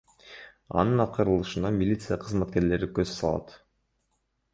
Анын аткарылышына милиция кызматкерлери көз салат.